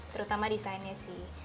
terutama desainnya sih